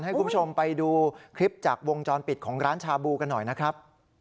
ให้คุณผู้ชมไปดูคลิปจากวงจรปิดของร้านชาบูกันหน่อยนะครับ